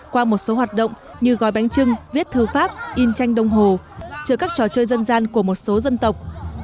qua một số hoạt động như gói bánh trưng viết thư pháp in tranh đồng hồ chờ các trò chơi dân gian của một số dân tộc